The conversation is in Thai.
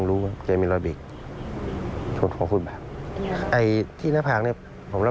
ลักษณะเหมือนร้อนมีดร้อนอะไรอย่างนี้หรอครับ